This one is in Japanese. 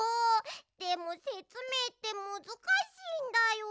でもせつめいってむずかしいんだよ。